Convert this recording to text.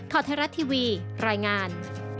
ทอทรัศน์ทีวีรายงาน